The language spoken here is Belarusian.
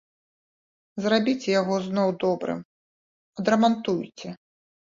Зрабіце яго зноў добрым, адрамантуйце.